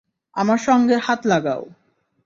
আমার সঙ্গে হাত লাগাও।